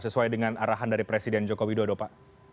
sesuai dengan arahan dari presiden joko widodo pak